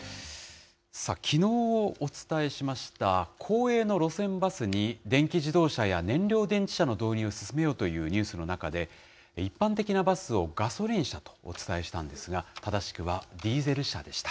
きのうお伝えしました、公営の路線バスに、電気自動車や燃料電池車の導入を進めようというニュースの中で、一般的なバスをガソリン車とお伝えしたんですが、正しくはディーゼル車でした。